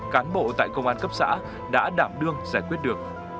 cán bộ tại công an cấp xã đã đảm đương giải quyết được